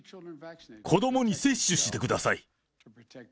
子どもに接種してください。